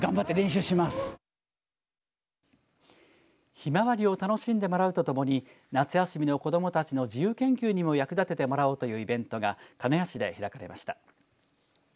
ヒマワリを楽しんでもらうとともに夏休みの子どもたちの自由研究にも役立ててもらおうというイベントが鹿屋市で開かれました。